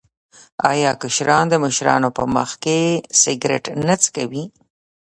آیا کشران د مشرانو په مخ کې سګرټ نه څکوي؟